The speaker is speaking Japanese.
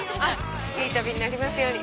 いい旅になりますように。